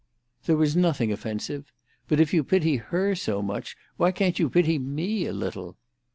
"There was nothing offensive. But if you pity her so much, why can't you pity me a little?"